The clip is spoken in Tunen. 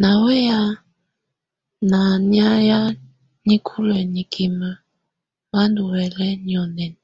Nà wɛ̀yɛ̀á nà nɛ̀áyɛ̀á nikulǝ́ nikimǝ́ bá ndù huɛ̀lɛ nyɔ̀nɛ̀na.